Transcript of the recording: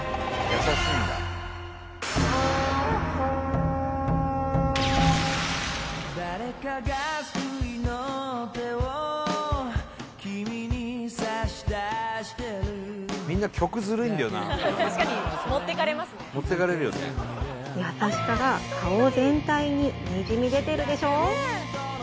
優しさが顔全体ににじみ出てるでしょ？